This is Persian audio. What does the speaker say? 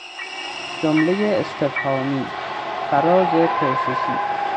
جملهی استفهامی، فراز پرسشی